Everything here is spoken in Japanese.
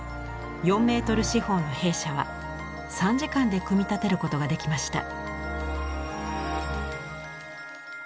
４メートル四方の兵舎は３時間で組み立てることができました。